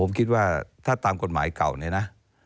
ผมคิดว่าถ้าตามกฎหมายเก่าเนี่ยนะ